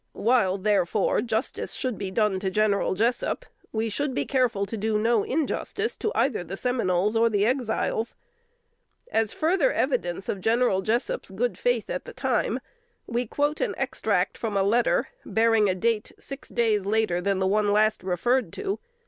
While, therefore, justice should be done to General Jessup, we should be careful to do no injustice to either the Seminoles or the Exiles. As further evidence of General Jessup's good faith at the time, we quote an extract from a letter, bearing date six days later than the one last referred to.